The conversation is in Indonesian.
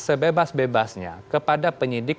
sebebas bebasnya kepada penyidik